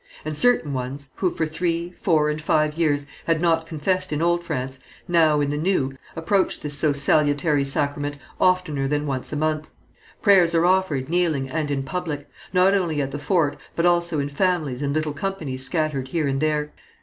And certain ones, who for three, four and five years had not confessed in old France, now, in the new, approach this so salutary sacrament oftener than once a month; prayers are offered kneeling and in public, not only at the fort, but also in families and little companies scattered here and there.